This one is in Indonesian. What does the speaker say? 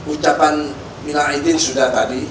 ucapan minna a idin sudah tadi